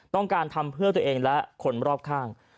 ต้องการทำเพื่อตัวเองและคนรอบข้าง